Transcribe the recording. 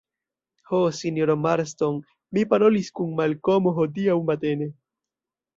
Ho, sinjoro Marston, mi parolis kun Malkomo hodiaŭ matene.